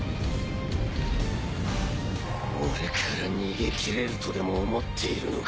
俺から逃げきれるとでも思っているのか